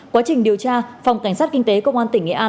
quá trình điều tra phòng cảnh sát kinh tế công an tỉnh nghệ an